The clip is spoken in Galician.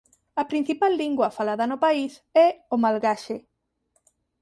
A principal lingua falada no país é o malgaxe.